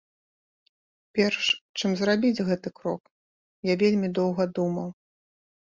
Перш чым зрабіць гэты крок я вельмі доўга думаў.